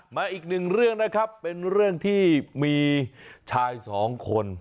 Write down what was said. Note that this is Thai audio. มาอีกหนึ่งเรื่องนะครับเป็นเรื่องที่มีชายสองคน